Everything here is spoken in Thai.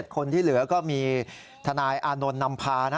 คนที่เหลือก็มีทนายอานนท์นำพานะ